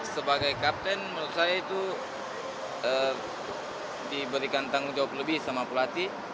sebagai kapten menurut saya itu diberikan tanggung jawab lebih sama pelatih